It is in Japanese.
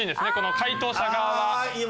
解答者側は。